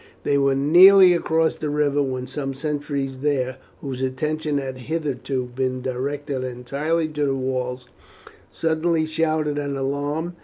They were nearly across the river when some sentries there, whose attention had hitherto been directed entirely to the walls, suddenly shouted an alarm.